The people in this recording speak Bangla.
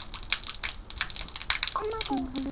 সিংহলে যদি প্রাণবন্ত কেউ থাকে তো এক হিন্দুরাই।